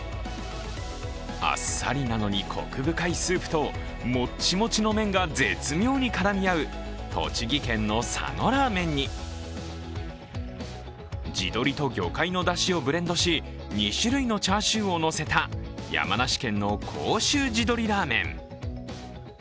あっさりなのにこく深いスープともっちもちの麺が絶妙に絡み合う栃木県の佐野ラーメンに、地鶏と魚介のだしをブレンドし２種類のチャーシューをのせた山梨県の甲州地どりラーメン。